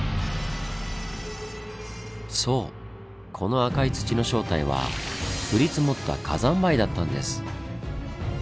そうこの「赤い土」の正体は降り積もった火山灰だったんです。